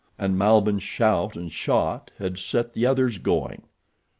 And Malbihn's shout and shot had set the others going.